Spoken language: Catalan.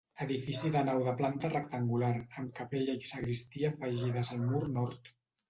Edifici de nau de la planta rectangular amb capella i sagristia afegides al mur nord.